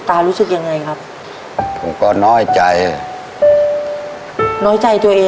ทับผลไม้เยอะเห็นยายบ่นบอกว่าเป็นยังไงครับ